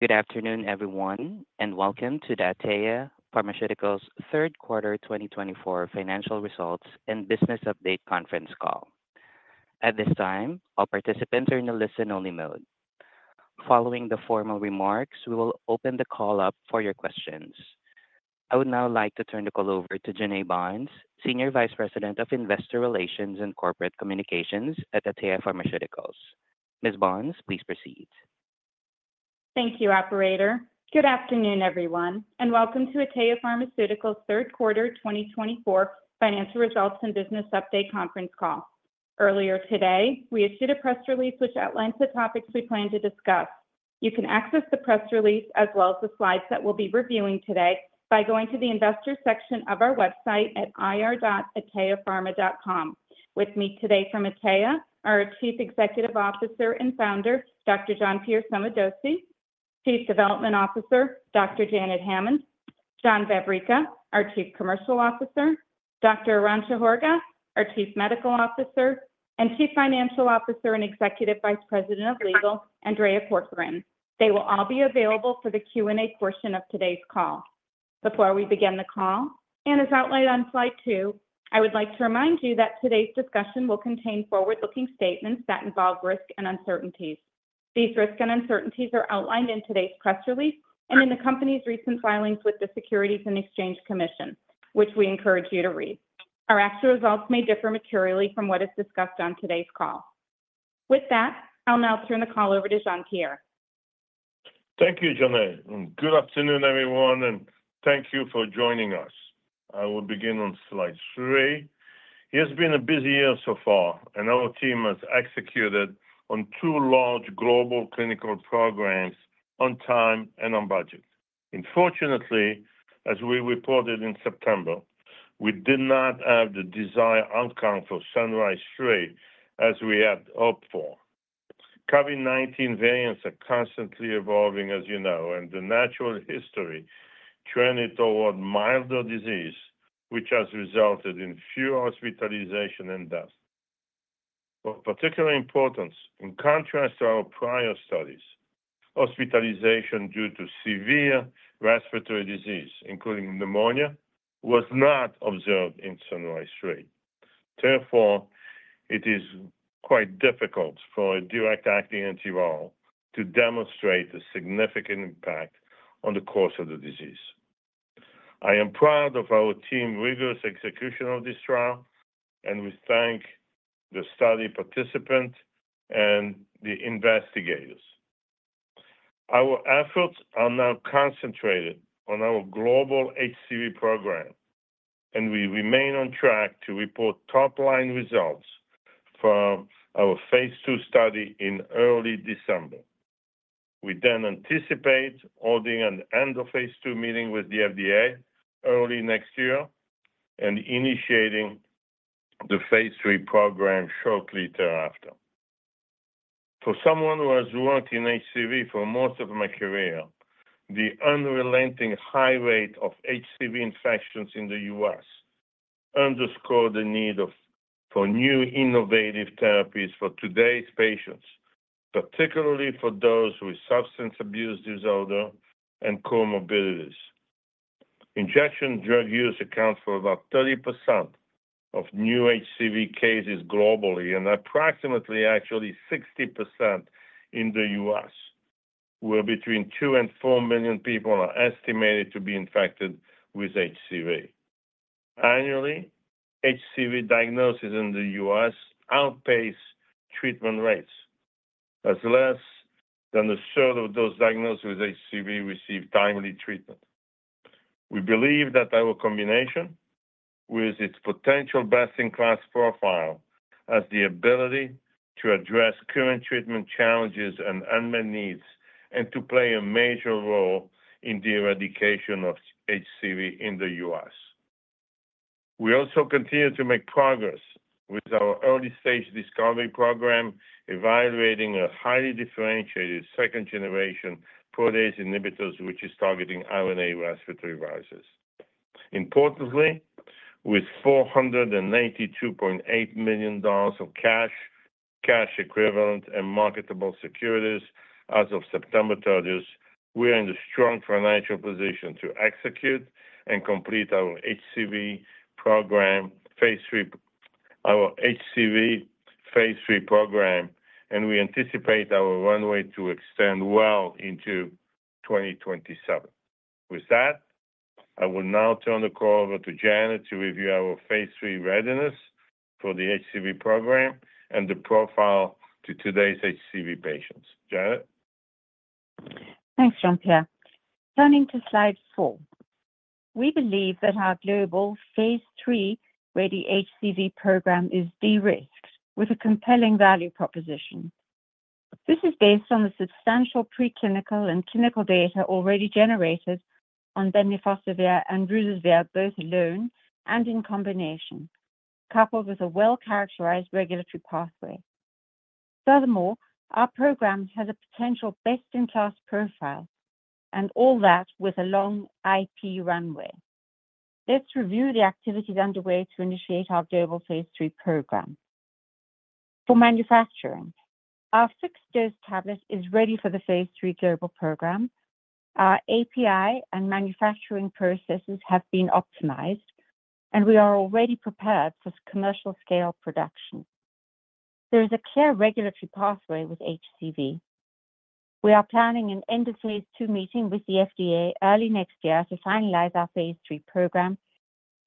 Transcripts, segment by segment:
Good afternoon, everyone, and welcome to the Atea Pharmaceuticals' Third Quarter 2024 Financial Results and Business Update Conference Call. At this time, all participants are in the listen-only mode. Following the formal remarks, we will open the call up for your questions. I would now like to turn the call over to Jonae Barnes, Senior Vice President of Investor Relations and Corporate Communications at Atea Pharmaceuticals. Ms. Barnes, please proceed. Thank you, Operator. Good afternoon, everyone, and welcome to Atea Pharmaceuticals' Third Quarter 2024 Financial Results and Business Update Conference Call. Earlier today, we issued a press release which outlines the topics we plan to discuss. You can access the press release as well as the slides that we'll be reviewing today by going to the investor section of our website at ir.ateapharma.com. With me today from Atea are our Chief Executive Officer and Founder, Dr. Jean-Pierre Sommadossi, Chief Development Officer, Dr. Janet Hammond, John Vavricka, our Chief Commercial Officer, Dr. Arantxa Horga, our Chief Medical Officer, and Chief Financial Officer and Executive Vice President of Legal, Andrea Corcoran. They will all be available for the Q&A portion of today's call. Before we begin the call, and as outlined on slide two, I would like to remind you that today's discussion will contain forward-looking statements that involve risk and uncertainties. These risks and uncertainties are outlined in today's press release and in the company's recent filings with the Securities and Exchange Commission, which we encourage you to read. Our actual results may differ materially from what is discussed on today's call. With that, I'll now turn the call over to Jean-Pierre. Thank you, Jonae. Good afternoon, everyone, and thank you for joining us. I will begin on slide three. It has been a busy year so far, and our team has executed on two large global clinical programs on time and on budget. Unfortunately, as we reported in September, we did not have the desired outcome for SUNRISE-3 as we had hoped for. COVID-19 variants are constantly evolving, as you know, and the natural history trended toward milder disease, which has resulted in fewer hospitalizations and deaths. Of particular importance, in contrast to our prior studies, hospitalization due to severe respiratory disease, including pneumonia, was not observed in SUNRISE-3. Therefore, it is quite difficult for a direct-acting antiviral to demonstrate a significant impact on the course of the disease. I am proud of our team's rigorous execution of this trial, and we thank the study participants and the investigators. Our efforts are now concentrated on our global HCV program, and we remain on track to report top-line results for our phase II study in early December. We then anticipate holding an end-of-phase II meeting with the FDA early next year and initiating the phase III program shortly thereafter. For someone who has worked in HCV for most of my career, the unrelenting high rate of HCV infections in the U.S. underscored the need for new innovative therapies for today's patients, particularly for those with substance abuse disorder and comorbidities. Injection drug use accounts for about 30% of new HCV cases globally, and approximately actually 60% in the U.S., where between two and four million people are estimated to be infected with HCV. Annually, HCV diagnoses in the U.S. outpace treatment rates, as less than a third of those diagnosed with HCV receive timely treatment. We believe that our combination, with its potential best-in-class profile as the ability to address current treatment challenges and unmet needs, and to play a major role in the eradication of HCV in the U.S. We also continue to make progress with our early-stage discovery program, evaluating a highly differentiated second-generation protease inhibitors, which is targeting RNA respiratory viruses. Importantly, with $482.8 million of cash, cash equivalent, and marketable securities as of September 30, we are in a strong financial position to execute and complete our HCV program phase III. Our HCV phase III program, and we anticipate our runway to extend well into 2027. With that, I will now turn the call over to Janet to review our phase III readiness for the HCV program and the profile to today's HCV patients. Janet? Thanks, Jean-Pierre. Turning to slide four, we believe that our global phase III ready HCV program is de-risked with a compelling value proposition. This is based on the substantial preclinical and clinical data already generated on bemnifosbuvir and ruzasvir, both alone and in combination, coupled with a well-characterized regulatory pathway. Furthermore, our program has a potential best-in-class profile, and all that with a long IP runway. Let's review the activities underway to initiate our global phase III program. For manufacturing, our six-dose tablet is ready for the phase III global program. Our API and manufacturing processes have been optimized, and we are already prepared for commercial-scale production. There is a clear regulatory pathway with HCV. We are planning an end-of-phase II meeting with the FDA early next year to finalize our phase III program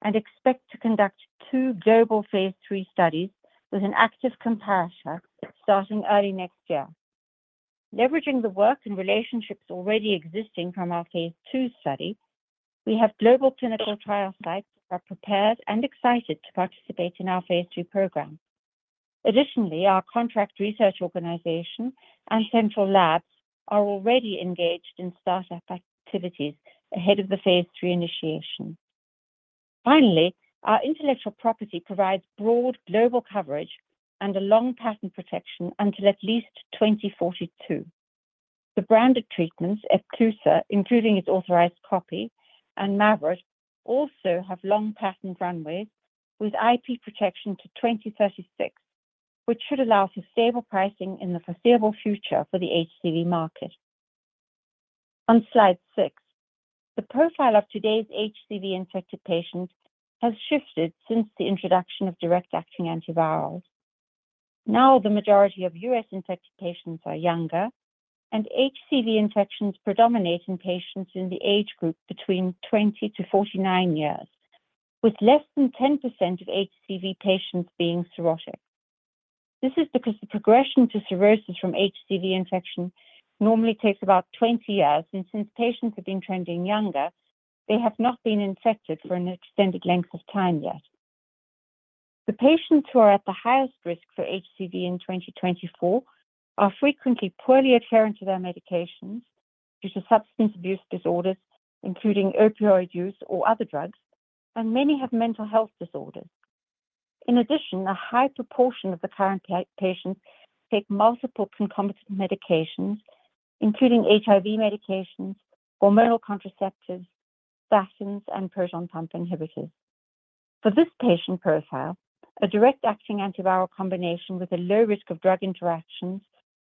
and expect to conduct two global phase III studies with an active comparison starting early next year. Leveraging the work and relationships already existing from our phase II study, we have global clinical trial sites that are prepared and excited to participate in our phase III program. Additionally, our contract research organization and central labs are already engaged in startup activities ahead of the phase III initiation. Finally, our intellectual property provides broad global coverage and a long patent protection until at least 2042. The branded treatments Epclusa, including its authorized copy and Mavyret, also have long patent runways with IP protection to 2036, which should allow for stable pricing in the foreseeable future for the HCV market. On slide six, the profile of today's HCV infected patients has shifted since the introduction of direct-acting antivirals. Now, the majority of U.S. infected patients are younger, and HCV infections predominate in patients in the age group between 20 to 49 years, with less than 10% of HCV patients being cirrhotic. This is because the progression to cirrhosis from HCV infection normally takes about 20 years, and since patients have been trending younger, they have not been infected for an extended length of time yet. The patients who are at the highest risk for HCV in 2024 are frequently poorly adherent to their medications due to substance abuse disorders, including opioid use or other drugs, and many have mental health disorders. In addition, a high proportion of the current patients take multiple concomitant medications, including HIV medications, hormonal contraceptives, statins, and proton pump inhibitors. For this patient profile, a direct-acting antiviral combination with a low risk of drug interactions,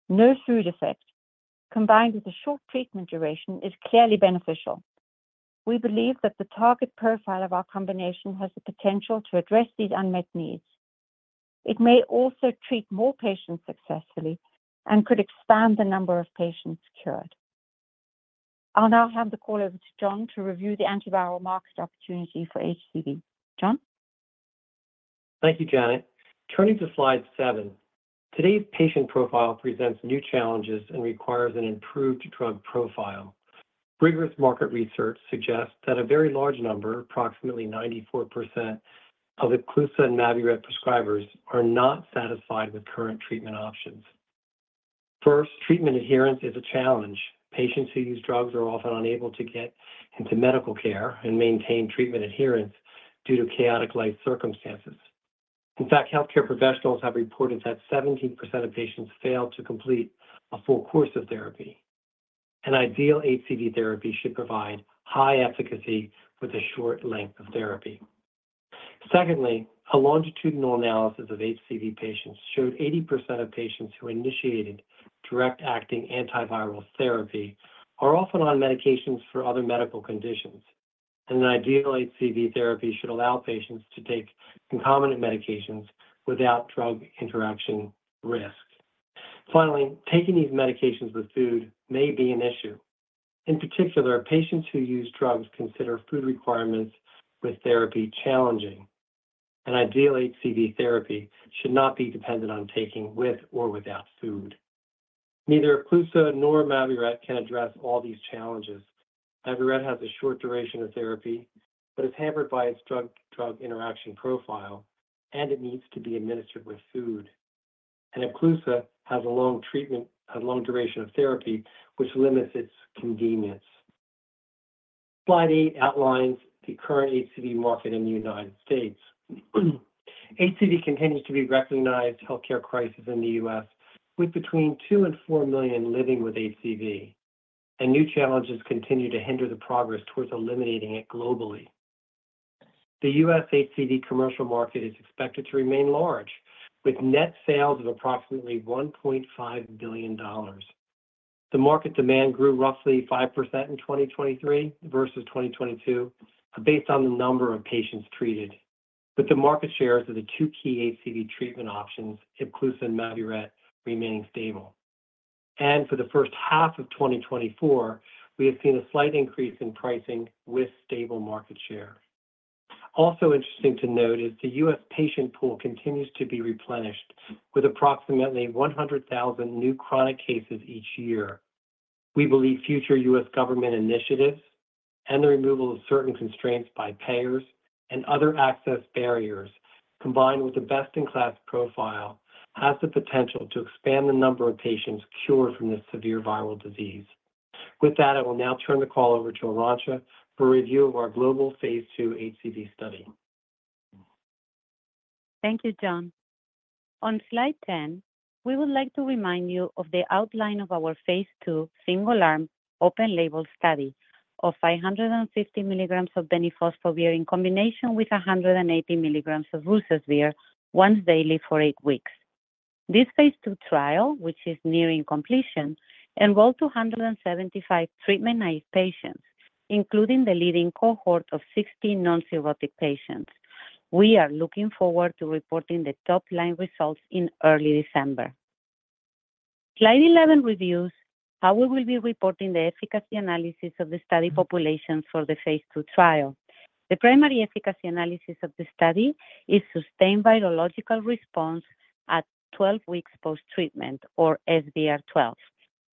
no food effect, combined with a short treatment duration, is clearly beneficial. We believe that the target profile of our combination has the potential to address these unmet needs. It may also treat more patients successfully and could expand the number of patients cured. I'll now hand the call over to John to review the antiviral market opportunity for HCV. John? Thank you, Janet. Turning to slide seven, today's patient profile presents new challenges and requires an improved drug profile. Rigorous market research suggests that a very large number, approximately 94%, of the Epclusa and Mavyret prescribers are not satisfied with current treatment options. First, treatment adherence is a challenge. Patients who use drugs are often unable to get into medical care and maintain treatment adherence due to chaotic life circumstances. In fact, healthcare professionals have reported that 17% of patients fail to complete a full course of therapy. An ideal HCV therapy should provide high efficacy with a short length of therapy. Secondly, a longitudinal analysis of HCV patients showed 80% of patients who initiated direct-acting antiviral therapy are often on medications for other medical conditions, and an ideal HCV therapy should allow patients to take concomitant medications without drug interaction risk. Finally, taking these medications with food may be an issue. In particular, patients who use drugs consider food requirements with therapy challenging, and ideal HCV therapy should not be dependent on taking with or without food. Neither Epclusa nor Mavyret can address all these challenges. Mavyret has a short duration of therapy, but is hampered by its drug-drug interaction profile, and it needs to be administered with food. Epclusa has a long duration of therapy, which limits its convenience. Slide eight outlines the current HCV market in the United States. HCV continues to be a recognized healthcare crisis in the U.S., with between two and four million living with HCV, and new challenges continue to hinder the progress towards eliminating it globally. The U.S. HCV commercial market is expected to remain large, with net sales of approximately $1.5 billion. The market demand grew roughly 5% in 2023 versus 2022, based on the number of patients treated, with the market shares of the two key HCV treatment options, Epclusa and Mavyret, remaining stable, and for the first half of 2024, we have seen a slight increase in pricing with stable market share. Also interesting to note is the U.S. patient pool continues to be replenished with approximately 100,000 new chronic cases each year. We believe future U.S. government initiatives and the removal of certain constraints by payers and other access barriers, combined with the best-in-class profile, have the potential to expand the number of patients cured from this severe viral disease. With that, I will now turn the call over to Arantxa for a review of our global phase II HCV study. Thank you, John. On slide 10, we would like to remind you of the outline of our phase II single-arm, open-label study of 550 milligrams of bemnifosbuvir in combination with 180 milligrams of ruzasvir once daily for eight weeks. This phase II trial, which is nearing completion, enrolled 275 treatment naive patients, including the lead-in cohort of 16 non-cirrhotic patients. We are looking forward to reporting the top-line results in early December. Slide 11 reviews how we will be reporting the efficacy analysis of the study populations for the phase II trial. The primary efficacy analysis of the study is sustained virological response at 12 weeks post-treatment, or SVR12,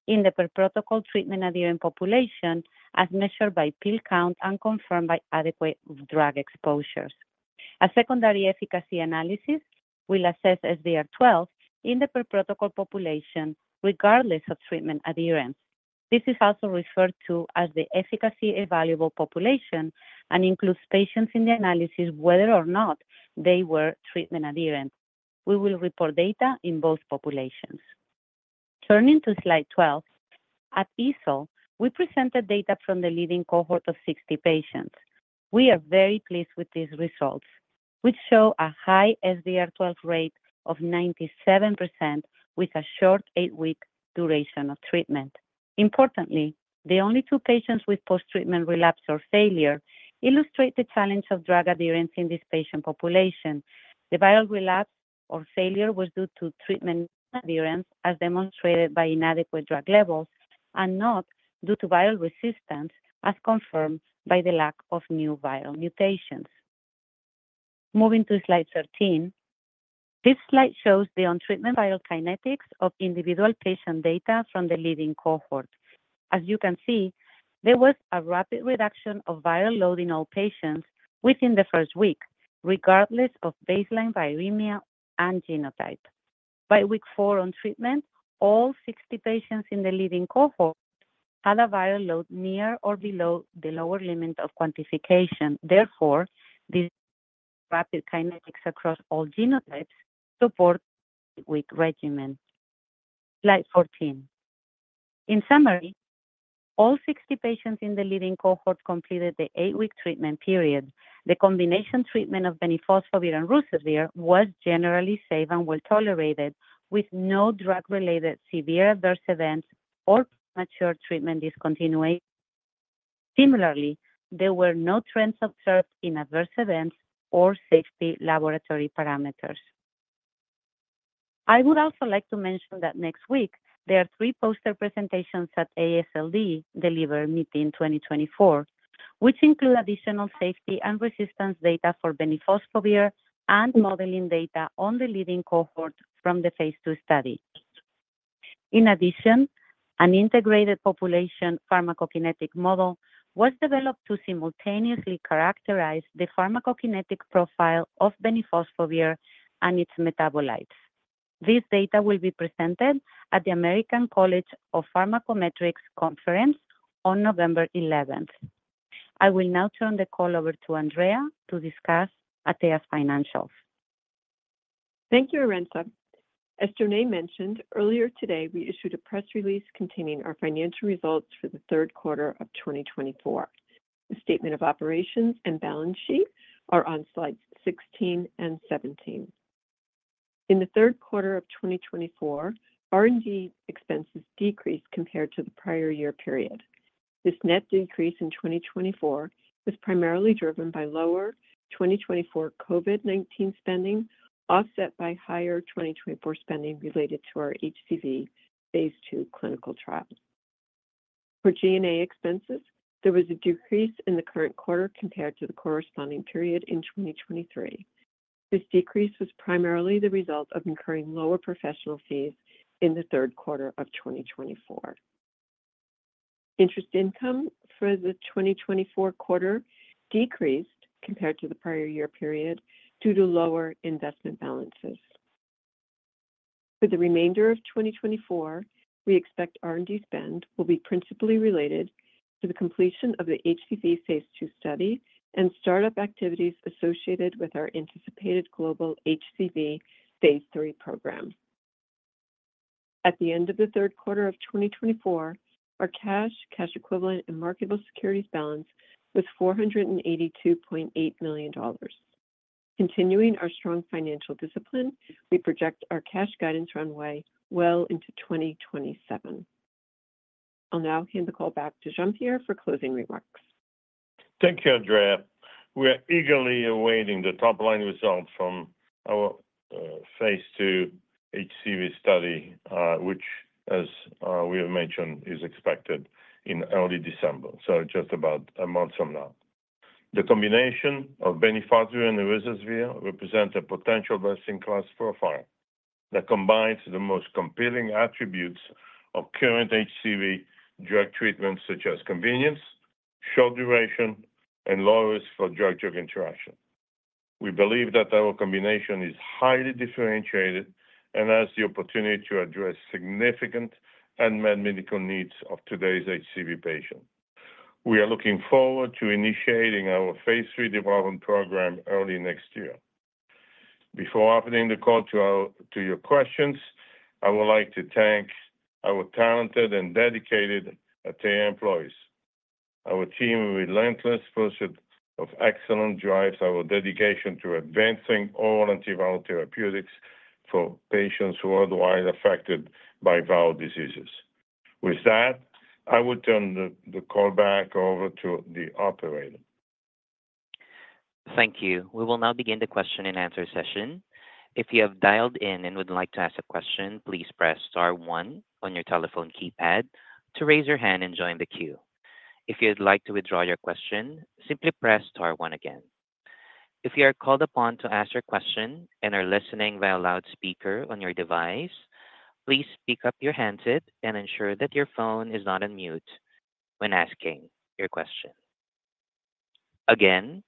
in the per-protocol treatment adherent population, as measured by pill count and confirmed by adequate drug exposures. A secondary efficacy analysis will assess SVR12 in the per-protocol population, regardless of treatment adherence. This is also referred to as the efficacy evaluable population and includes patients in the analysis whether or not they were treatment adherent. We will report data in both populations. Turning to slide 12, at EASL, we presented data from the lead-in cohort of 60 patients. We are very pleased with these results, which show a high SVR12 rate of 97% with a short eight-week duration of treatment. Importantly, the only two patients with post-treatment relapse or failure illustrate the challenge of drug adherence in this patient population. The viral relapse or failure was due to treatment adherence, as demonstrated by inadequate drug levels, and not due to viral resistance, as confirmed by the lack of new viral mutations. Moving to slide 13, this slide shows the on-treatment viral kinetics of individual patient data from the lead-in cohort. As you can see, there was a rapid reduction of viral load in all patients within the first week, regardless of baseline viremia and genotype. By week four on treatment, all 60 patients in the leading cohort had a viral load near or below the lower limit of quantification. Therefore, these rapid kinetics across all genotypes support the eight-week regimen. Slide 14. In summary, all 60 patients in the leading cohort completed the eight-week treatment period. The combination treatment of bemnifosbuvir and ruzasvir was generally safe and well tolerated, with no drug-related severe adverse events or premature treatment discontinuation. Similarly, there were no trends observed in adverse events or safety laboratory parameters. I would also like to mention that next week, there are three poster presentations at AASLD, The Liver Meeting 2024, which include additional safety and resistance data for bemnifosbuvir and modeling data on the leading cohort from the phase II study. In addition, an integrated population pharmacokinetic model was developed to simultaneously characterize the pharmacokinetic profile of bemnifosbuvir and its metabolites. This data will be presented at the American College of Pharmacometrics Conference on November 11. I will now turn the call over to Andrea to discuss Atea financials. Thank you, Arantxa. As Jonae mentioned, earlier today, we issued a press release containing our financial results for the third quarter of 2024. The statement of operations and balance sheet are on slides 16 and 17. In the third quarter of 2024, R&D expenses decreased compared to the prior year period. This net decrease in 2024 is primarily driven by lower 2024 COVID-19 spending, offset by higher 2024 spending related to our HCV phase II clinical trial. For G&A expenses, there was a decrease in the current quarter compared to the corresponding period in 2023. This decrease was primarily the result of incurring lower professional fees in the third quarter of 2024. Interest income for the 2024 quarter decreased compared to the prior year period due to lower investment balances. For the remainder of 2024, we expect R&D spend will be principally related to the completion of the HCV phase II study and startup activities associated with our anticipated global HCV phase III program. At the end of the third quarter of 2024, our cash, cash equivalent, and marketable securities balance was $482.8 million. Continuing our strong financial discipline, we project our cash guidance runway well into 2027. I'll now hand the call back to Jean-Pierre for closing remarks. Thank you, Andrea. We are eagerly awaiting the top-line result from our phase II HCV study, which, as we have mentioned, is expected in early December, so just about a month from now. The combination of bemnifosbuvir and ruzasvir represent a potential best-in-class profile that combines the most compelling attributes of current HCV drug treatments, such as convenience, short duration, and low risk for drug-drug interaction. We believe that our combination is highly differentiated and has the opportunity to address significant unmet medical needs of today's HCV patients. We are looking forward to initiating our phase III development program early next year. Before opening the call to your questions, I would like to thank our talented and dedicated Atea employees. Our team is relentless, full of excellent drives, our dedication to advancing all antiviral therapeutics for patients worldwide affected by viral diseases. With that, I would turn the call back over to the operator. Thank you. We will now begin the question and answer session. If you have dialed in and would like to ask a question, please press star one on your telephone keypad to raise your hand and join the queue. If you'd like to withdraw your question, simply press star one again. If you are called upon to ask your question and are listening via loudspeaker on your device, please pick up your handset and ensure that your phone is not on mute when asking your question. Again,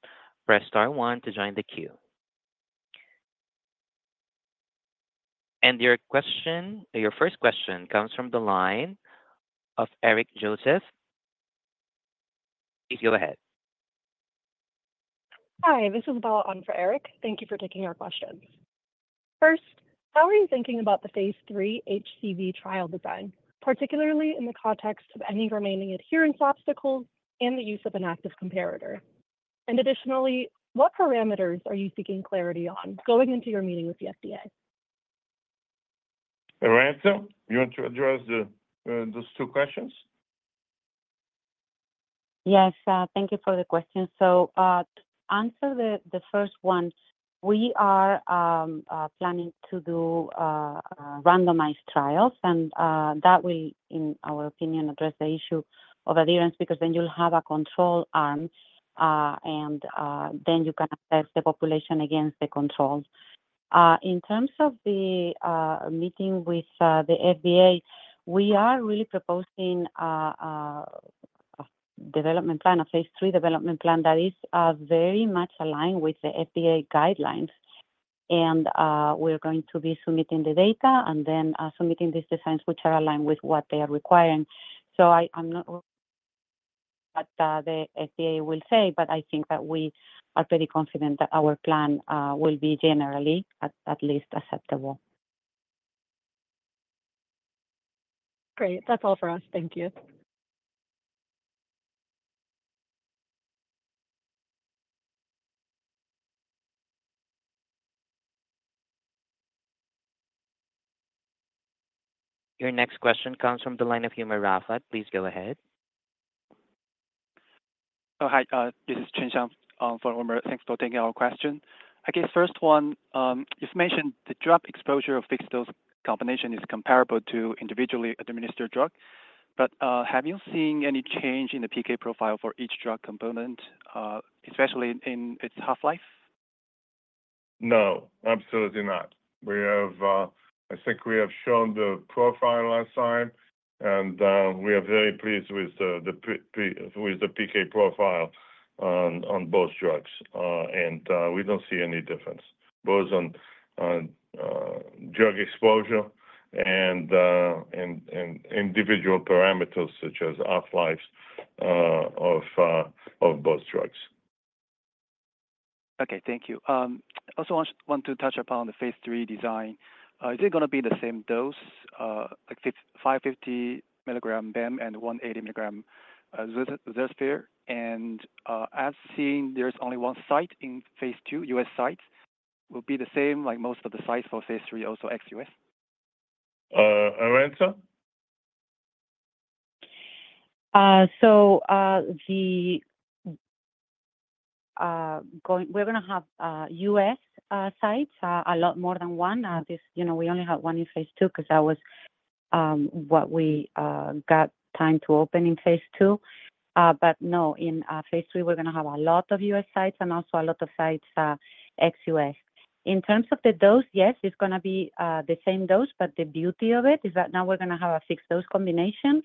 press star one to join the queue. And your first question comes from the line of Eric Joseph. Please go ahead. Hi, this is Bella Un for Eric. Thank you for taking our questions. First, how are you thinking about the phase III HCV trial design, particularly in the context of any remaining adherence obstacles and the use of an active comparator? And additionally, what parameters are you seeking clarity on going into your meeting with the FDA? Arantxa, you want to address those two questions? Yes, thank you for the question, so to answer the first one, we are planning to do randomized trials, and that will, in our opinion, address the issue of adherence because then you'll have a control arm, and then you can assess the population against the control. In terms of the meeting with the FDA, we are really proposing a development plan, a phase III development plan that is very much aligned with the FDA guidelines, and we're going to be submitting the data and then submitting these designs, which are aligned with what they are requiring, so I'm not sure what the FDA will say, but I think that we are pretty confident that our plan will be generally at least acceptable. Great. That's all for us. Thank you. Your next question comes from the line of Umer Raffat. Please go ahead. Oh, hi. This is Cheng Xiang for Umer. Thanks for taking our question. I guess first one, you've mentioned the drug exposure of fixed dose combination is comparable to individually administered drug, but have you seen any change in the PK profile for each drug component, especially in its half-life? No, absolutely not. I think we have shown the profile last time, and we are very pleased with the PK profile on both drugs, and we don't see any difference, both on drug exposure and individual parameters such as half-lives of both drugs. Okay, thank you. I also want to touch upon the phase III design. Is it going to be the same dose, like 550 milligram BEM and 180 milligram ruzasvir? And I've seen there's only one site in phase II, U.S. sites. Will it be the same like most of the sites for phase III, also ex-U.S.? Arantxa? So we're going to have U.S. sites a lot more than one. We only have one in phase II because that was what we got time to open in phase II. But no, in phase III, we're going to have a lot of U.S. sites and also a lot of sites ex-U.S. In terms of the dose, yes, it's going to be the same dose, but the beauty of it is that now we're going to have a fixed dose combination,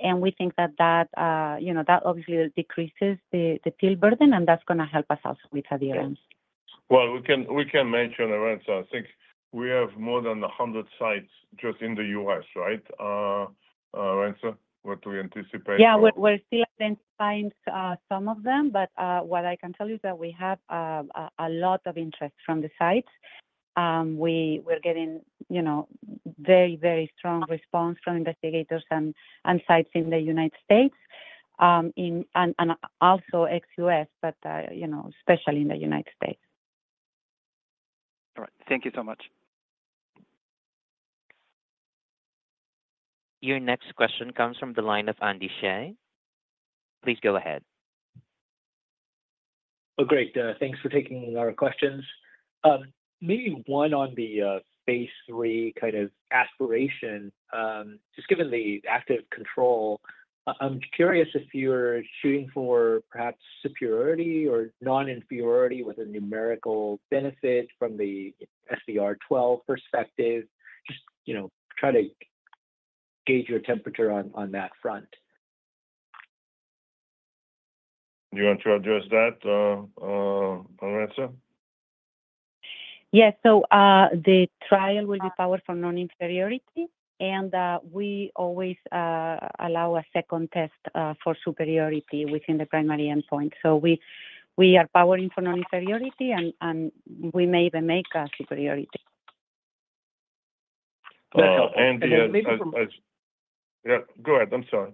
and we think that that obviously decreases the pill burden, and that's going to help us also with adherence. We can mention Arantxa. I think we have more than 100 sites just in the U.S., right? Arantxa, what do you anticipate? Yeah, we're still identifying some of them, but what I can tell you is that we have a lot of interest from the sites. We're getting very, very strong response from investigators and sites in the United States, and also ex-U.S., but especially in the United States. All right. Thank you so much. Your next question comes from the line of Andy Hsieh. Please go ahead. Oh, great. Thanks for taking our questions. Maybe one on the phase III kind of aspiration, just given the active control. I'm curious if you're shooting for perhaps superiority or non-inferiority with a numerical benefit from the SVR12 perspective. Just try to gauge your temperature on that front. Do you want to address that, Arantxa? Yes. So the trial will be powered for non-inferiority, and we always allow a second test for superiority within the primary endpoint. So we are powering for non-inferiority, and we may even make a superiority. Andy has, yeah, go ahead. I'm sorry.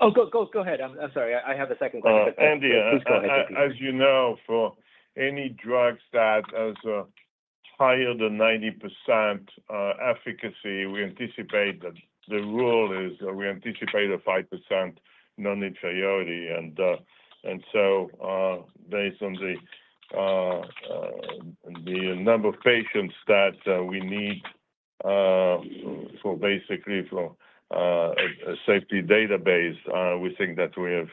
Oh, go ahead. I'm sorry. I have a second question. Andy, please go ahead. As you know, for any drugs that are higher than 90% efficacy, we anticipate that the rule is that we anticipate a 5% non-inferiority. And so, based on the number of patients that we need for basically a safety database, we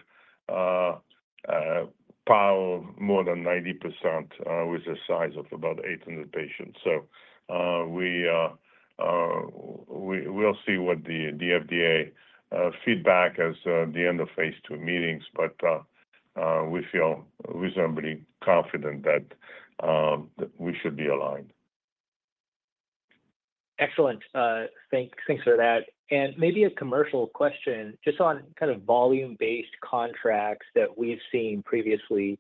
think that we have power of more than 90% with a size of about 800 patients. So we'll see what the FDA feedback as the end of phase II meetings, but we feel reasonably confident that we should be aligned. Excellent. Thanks for that. And maybe a commercial question, just on kind of volume-based contracts that we've seen previously,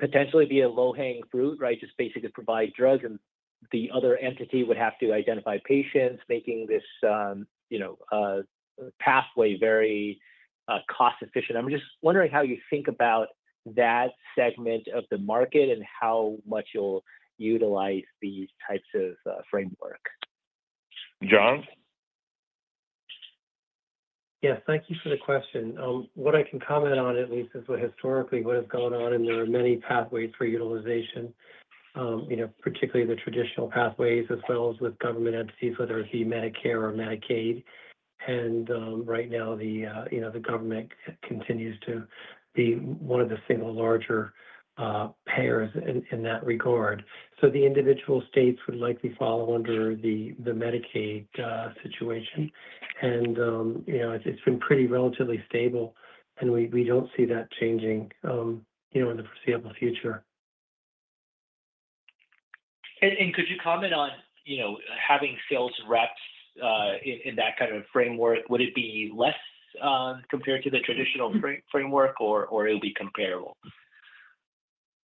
potentially be a low-hanging fruit, right? Just basically provide drugs, and the other entity would have to identify patients, making this pathway very cost-efficient. I'm just wondering how you think about that segment of the market and how much you'll utilize these types of frameworks? John? Yeah, thank you for the question. What I can comment on, at least, is what historically has gone on, and there are many pathways for utilization, particularly the traditional pathways, as well as with government entities, whether it be Medicare or Medicaid. And right now, the government continues to be one of the single larger payers in that regard. So the individual states would likely fall under the Medicaid situation. And it's been pretty relatively stable, and we don't see that changing in the foreseeable future. Could you comment on having sales reps in that kind of framework? Would it be less compared to the traditional framework, or it'll be comparable?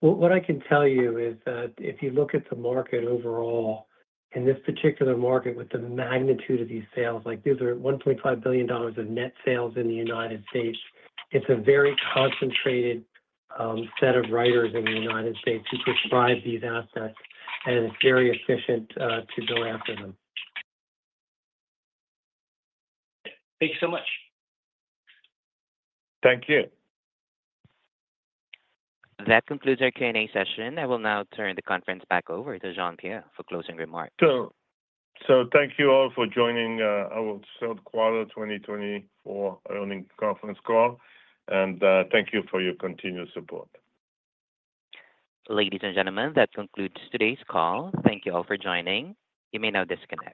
What I can tell you is that if you look at the market overall, in this particular market with the magnitude of these sales, these are $1.5 billion of net sales in the United States. It's a very concentrated set of writers in the United States who prescribe these assets, and it's very efficient to go after them. Thank you so much. Thank you. That concludes our Q&A session. I will now turn the conference back over to Jean-Pierre for closing remarks. Thank you all for joining our third quarter 2024 earnings conference call, and thank you for your continued support. Ladies and gentlemen, that concludes today's call. Thank you all for joining. You may now disconnect.